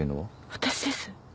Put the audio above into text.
私です。